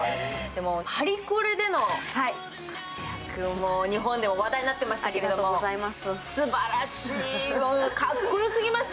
もう日本でも話題になってましたけど、すばらしい、かっこよすぎました